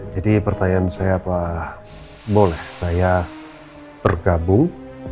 jadi pertanyaan saya adalah boleh saya bergabung